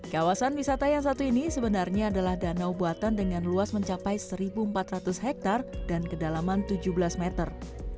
dan wisata yang satu ini sebenarnya adalah danau buatan dengan luas mencapai seribu empat ratus hektar dan kedalaman tujuh belas meter